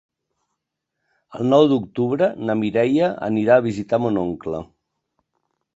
El nou d'octubre na Mireia anirà a visitar mon oncle.